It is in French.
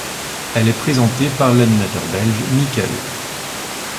Elle est présentée par l'animateur belge Mikl.